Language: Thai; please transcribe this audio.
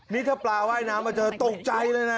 นี่ถ้าปลาว่ายน้ำมาเจอตกใจเลยนะ